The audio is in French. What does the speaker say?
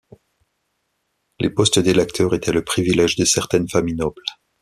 Les postes d'électeurs étaient le privilège de certaines familles nobles.